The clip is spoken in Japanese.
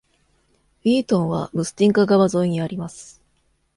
ウィートンはムスティンカ川沿いにあります。